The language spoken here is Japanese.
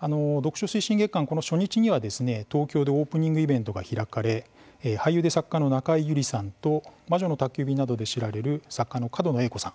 読書推進月間、この初日には東京でオープニングイベントが開かれ俳優で作家の中江有里さんと「魔女の宅急便」などで知られる作家の角野栄子さん